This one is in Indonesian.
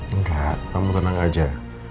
enggak kamu tenang aja